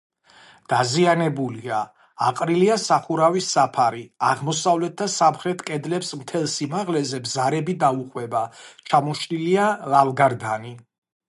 დაზიანებულია: აყრილია სახურავის საფარი, აღმოსავლეთ და სამხრეთ კედლებს მთელ სიმაღლეზე ბზარები დაუყვება, ჩამოშლილია ლავგარდანი.